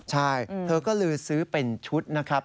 ใช่เธอก็เลยซื้อเป็นชุดนะครับ